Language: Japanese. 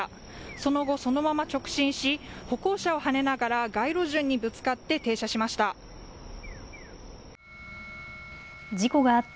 その後、そのまま直進し歩行者をはねながら街路樹にぶつかって停車しました。